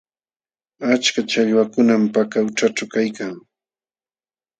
Achka challwakuna Paka qućha kaykan.